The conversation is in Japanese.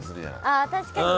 あ確かに。